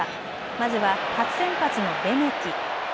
まずは、初先発のレメキ。